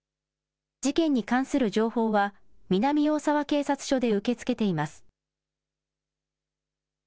事件に関する情報は、南大沢警察署で受け付けています。